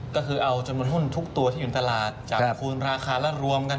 ก็คือเอาจำนวนหุ้นทุกตัวที่อยู่ในตลาดจากคูณราคาและรวมกัน